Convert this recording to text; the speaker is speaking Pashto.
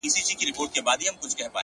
ددې سايه به ؛پر تا خوره سي؛